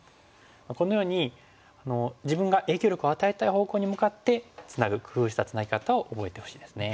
このように自分が影響力を与えたい方向に向かってツナぐ工夫したツナギ方を覚えてほしいですね。